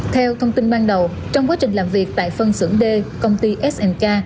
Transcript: theo thông tin ban đầu trong quá trình làm việc tại phân xưởng d công ty sk